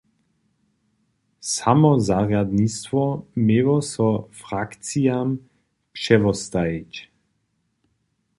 Samozarjadnistwo měło so frakcijam přewostajić.